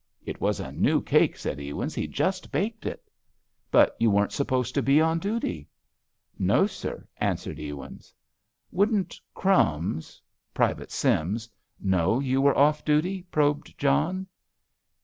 "It was new cake," said Ewins; "he'd just baked it." "But you weren't supposed to be on duty." "No, sir," answered Ewins. "Wouldn't 'Crumbs'—Private Sims—know you were off duty?" probed John.